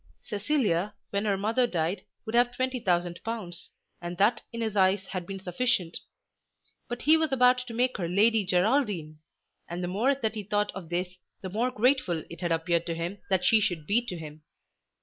Cecilia, when her mother died, would have twenty thousand pounds, and that in his eyes had been sufficient. But he was about to make her Lady Geraldine, and the more that he thought of this, the more grateful it had appeared to him that she should be to him.